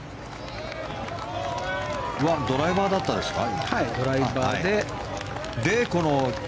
ドライバーだったですか？